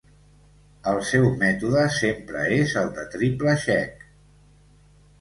El seu mètode sempre és el del triple check.